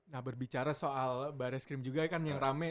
nah berbicara soal barreskrim juga kan yang rame